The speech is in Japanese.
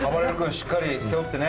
しっかり背負ってね